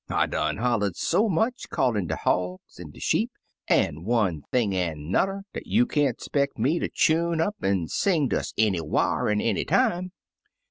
I done hoUa'd so much, callin' de hogs an' de sheep, an' one thing an' an'er, dat you can't 'speck me ter chune up an' sing des anywhar an' any time.